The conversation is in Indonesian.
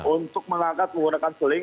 untuk mengangkat menggunakan seling